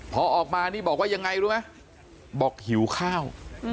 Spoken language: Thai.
พอออกมานี่บอกว่ายังไงรู้ไหมบอกหิวข้าว